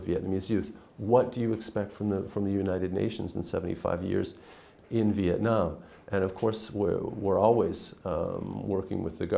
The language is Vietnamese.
vì vậy chúng ta rất vui và mong chờ